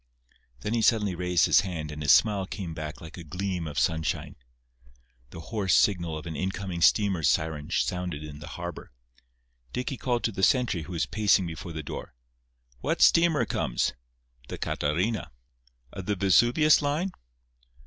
Then he suddenly raised his hand and his smile came back like a gleam of sunshine. The hoarse signal of an incoming steamer's siren sounded in the harbour. Dicky called to the sentry who was pacing before the door: "What steamer comes?" "The Catarina." "Of the Vesuvius line?"